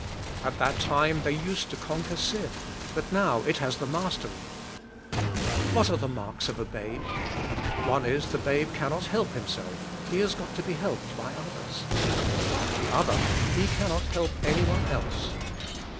At that time they used to conquer sin, but now it has the mastery. What are the marks of a babe? One is the babe cannot help himself, he has got to be helped by others. The other, he cannot help anyone else.